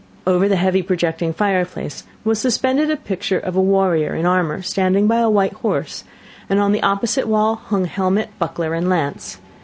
Over the heavy projecting fireplace was suspended a picture of a warrior in armour standing by a white horse, and on the opposite wall hung helmet, buckler, and lance.